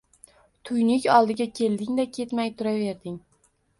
Tuynuk oldiga kelding-da ketmay turaverding.